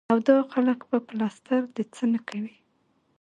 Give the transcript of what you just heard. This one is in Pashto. او دا خلک به پلستر د څۀ نه کوي ـ